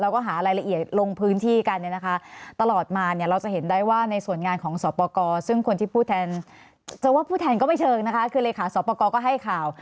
คือเรขาสรภากกอก็ให้ข่าว